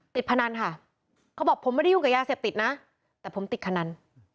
พนันค่ะเขาบอกผมไม่ได้ยุ่งกับยาเสพติดนะแต่ผมติดพนัน